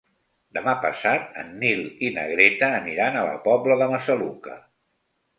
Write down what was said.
Demà passat en Nil i na Greta aniran a la Pobla de Massaluca.